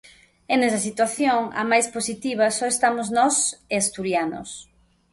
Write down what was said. E nesa situación, a máis positiva, só estamos nós e asturianos.